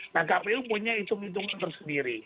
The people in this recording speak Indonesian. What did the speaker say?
nah kpu punya hitung hitungan tersendiri